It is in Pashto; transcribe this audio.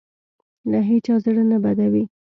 له هېچا زړه نه بدوي.